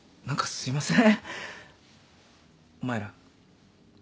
すいません。